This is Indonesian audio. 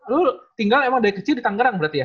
lu tinggal emang dari kecil di tangerang berarti ya